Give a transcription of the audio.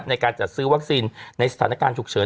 ในการจัดซื้อวัคซีนในสถานการณ์ฉุกเฉิน